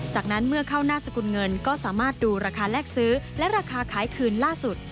จากนั้นเมื่อเข้าหน้าสกุลเงินก็สามารถดูราคาแลกซื้อและราคาขายคืนล่าสุด